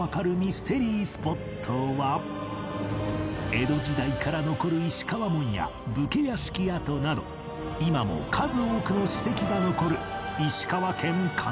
江戸時代から残る石川門や武家屋敷跡など今も数多くの史跡が残る石川県金沢市